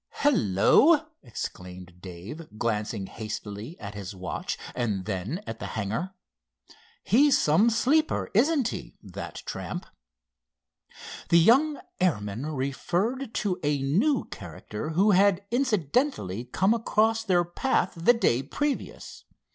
"Hello!" exclaimed Dave, glancing hastily at his watch and then at the hangar. "He's some sleeper; isn't he, that tramp?" The young airman referred to a new character who had incidentally come across their path the day previous.